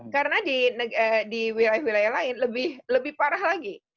karena di wilayah wilayah lain lebih parah lagi